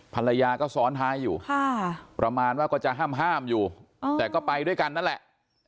ภรรยาก็ซ้อนท้ายอยู่ประมาณว่าก็จะห้ามอยู่แต่ก็ไปด้วยกันนั่นแหละ